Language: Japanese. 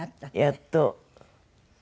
やっと。